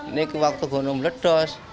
ini waktu gunung meledos